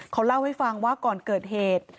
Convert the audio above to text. เขาเล่าให้ฟังว่าก่อนเกิดเหตุ